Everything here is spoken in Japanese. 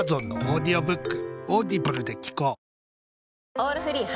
「オールフリー」